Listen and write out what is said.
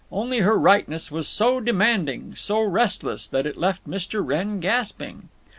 Only her rightness was so demanding, so restless, that it left Mr. Wrenn gasping.